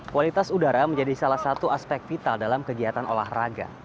kualitas udara menjadi salah satu aspek vital dalam kegiatan olahraga